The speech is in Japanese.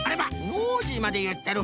ノージーまでいってる。